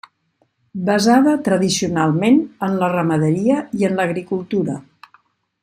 Basada tradicionalment en la ramaderia i en l'agricultura.